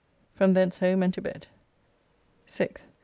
From thence home and to bed. 6th.